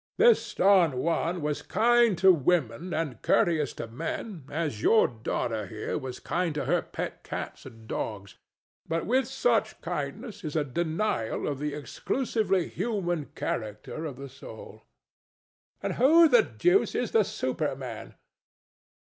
This Don Juan was kind to women and courteous to men as your daughter here was kind to her pet cats and dogs; but such kindness is a denial of the exclusively human character of the soul. THE STATUE. And who the deuce is the Superman?